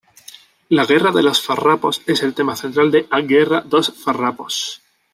La Guerra de los Farrapos es el tema central de "A Guerra dos Farrapos".